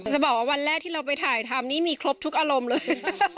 จะบอกว่าวันแรกที่เราไปถ่ายทำนี่มีครบทุกอารมณ์เลย